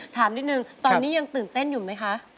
ถามนิดนึงตอนนี้ยังตื่นเต้นอยู่ไหมคะ